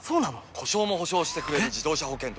故障も補償してくれる自動車保険といえば？